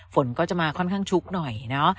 ฝนก็จะมาค่อนข้างชุกหน่อยเนอะ